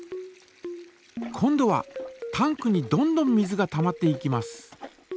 今度はタンクにどんどん水がたまっていきます。